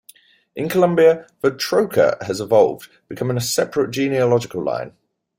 In Colombia the "trocha" has evolved, becoming a separate genealogical line.